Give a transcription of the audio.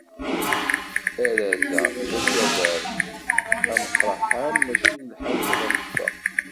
Arraz-a, d akaber ameqraḥan mačči d lḥaǧa tamectuḥt.